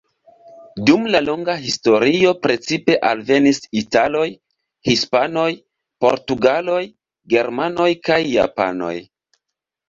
Dum la longa historio precipe alvenis italoj, hispanoj, portugaloj, germanoj kaj japanoj.